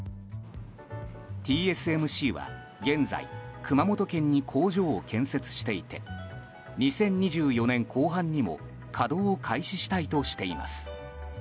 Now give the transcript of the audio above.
ＴＳＭＣは現在熊本県に工場を建設していて２０２４年後半にも稼働を開始したいとしています。